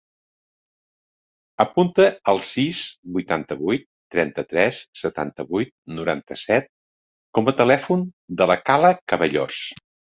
Apunta el sis, vuitanta-vuit, trenta-tres, setanta-vuit, noranta-set com a telèfon de la Kala Cabellos.